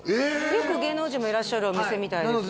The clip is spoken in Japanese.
よく芸能人もいらっしゃるお店みたいですね